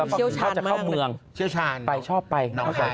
เชี่ยวชาญมากเชี่ยวชาญไปชอบไปน้องคาย